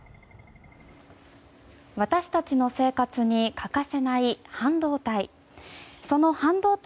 私たちの生活に欠かせない半導体。